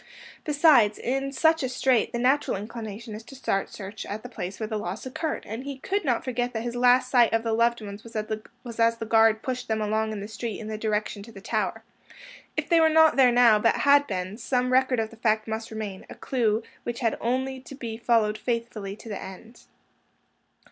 Besides, in such a strait, the natural inclination is to start search at the place where the loss occurred, and he could not forget that his last sight of the loved ones was as the guard pushed them along the street in the direction to the Tower. If they were not there now, but had been, some record of the fact must remain, a clew which had only to be followed faithfully to the end.